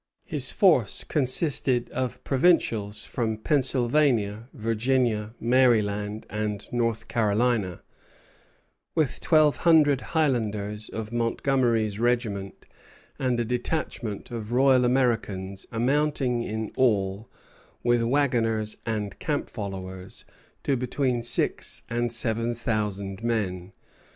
His force consisted of provincials from Pennsylvania, Virginia, Maryland, and North Carolina, with twelve hundred Highlanders of Montgomery's regiment and a detachment of Royal Americans, amounting in all, with wagoners and camp followers, to between six and seven thousand men.